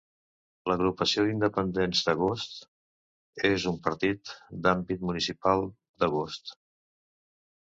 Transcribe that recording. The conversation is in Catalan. L'Agrupació d'Independents d'Agost és un partit d'àmbit municipal d'Agost.